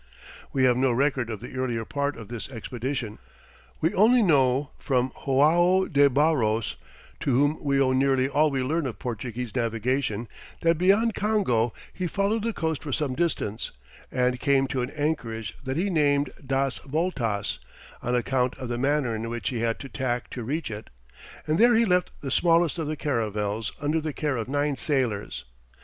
We have no record of the earlier part of this expedition; we only know, from Joao de Barros, to whom we owe nearly all we learn of Portuguese navigation, that beyond Congo he followed the coast for some distance, and came to an anchorage that he named "Das Voltas" on account of the manner in which he had to tack to reach it, and there he left the smallest of the caravels under the care of nine sailors.